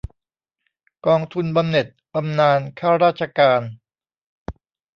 กองทุนบำเหน็จบำนาญข้าราชการ